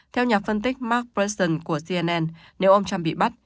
theo nhà phân tích mark brexit của cnn nếu ông trump bị bắt